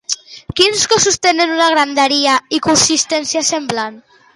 Quins cossos tenen una grandària i consistència semblant?